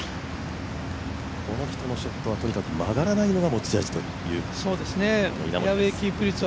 この人のショットはとにかく曲がらないのが持ち味という稲森です。